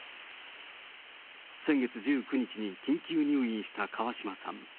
先月１９日に緊急入院した川嶋さん。